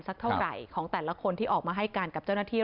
สักเท่าไหร่ของแต่ละคนที่ออกมาให้การกับเจ้าหน้าที่